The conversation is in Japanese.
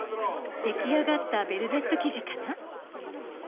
出来上がったベルベット生地かな。